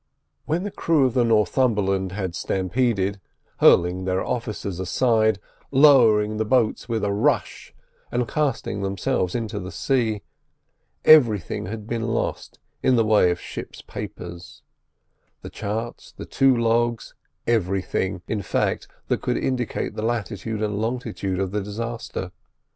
When the crew of the Northumberland had stampeded, hurling their officers aside, lowering the boats with a rush, and casting themselves into the sea, everything had been lost in the way of ship's papers; the charts, the two logs—everything, in fact, that could indicate the latitude and longitude of the disaster.